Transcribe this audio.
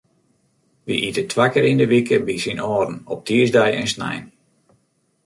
Wy ite twa kear yn de wike by syn âlden, op tiisdei en snein.